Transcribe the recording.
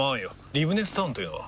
リブネスタウンというのは？